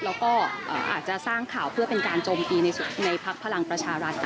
แล้วก็อาจจะสร้างข่าวเพื่อเป็นการโจมตีในภักดิ์พลังประชารัฐ